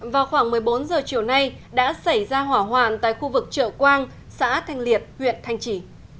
vào khoảng một mươi bốn h chiều nay đã xảy ra hỏa hoạn tại khu vực trợ quang xã thanh liệt huyện thanh trì